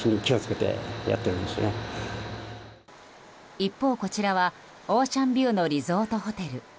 一方、こちらはオーシャンビューのリゾートホテル。